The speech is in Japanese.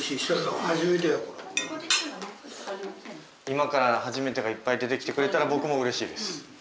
今から「初めて」がいっぱい出てきてくれたら僕もうれしいです。